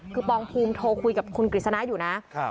คือปองภูมิโทรคุยกับคุณกฤษณะอยู่นะ